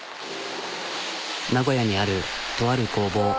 名古屋にあるとある工房。